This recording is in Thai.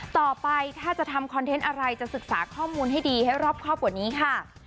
ต่อไปถ้าจะทำคอนเทนต์อะไรจะศึกษาข้อมูลให้ดีให้รอบครอบกว่านี้ค่ะ